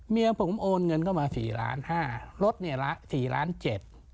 เมียผมโอนเงินเข้ามาสี่ล้านห้ารถเนี่ยละสี่ล้านเจ็ด